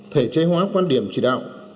thể chế hóa quan điểm chỉ đạo